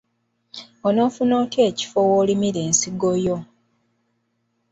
Onoofuna otya ekifo/ w’olimira ensigo yo?